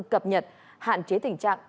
cập nhật hạn chế tình trạng